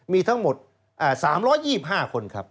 มีทั้งหมด๓๒๕คนครับ